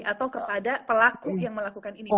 atau kepada pelaku yang melakukan ini